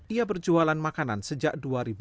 ia berjualan makanan sejak dua ribu dua